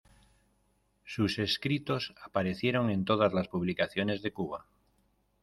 Sus escritos aparecieron en todas las publicaciones de Cuba.